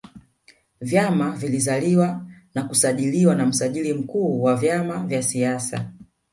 vyama vilizaliwa na kusajiliwa na msajiri mkuu wa vyama vya siasa